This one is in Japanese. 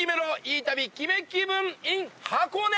いい旅・キメ気分ｉｎ箱根！